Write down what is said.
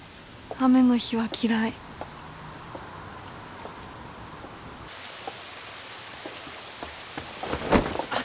雨の日は嫌い・あっ